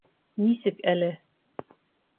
Нисек әле?